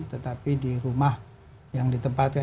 tetapi di rumah yang ditempatkan